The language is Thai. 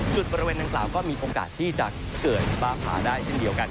บริเวณดังกล่าวก็มีโอกาสที่จะเกิดฟ้าผ่าได้เช่นเดียวกัน